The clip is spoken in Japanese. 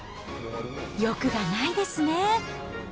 欲がないですね。